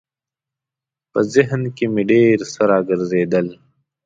په ذهن کې مې ډېر څه ګرځېدل.